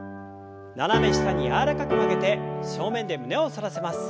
斜め下に柔らかく曲げて正面で胸を反らせます。